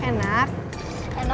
bersara sama si unang